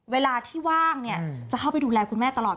เวลาที่ว่างเนี่ยจะเข้าไปดูแลคุณแม่ตลอด